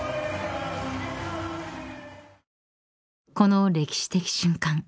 ［この歴史的瞬間］